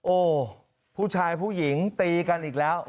โอ้ผู้ชายผู้หญิงตีกันอีกแล้ว